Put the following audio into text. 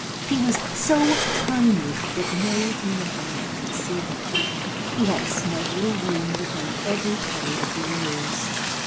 He was so tiny that no human eye could see him. He had a snug little room behind every petal of the rose.